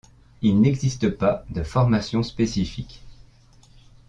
Il n'existe pas de formation spécifique.